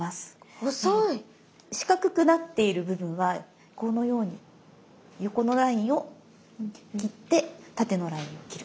四角くなっている部分はこのように横のラインを切って縦のラインを切る。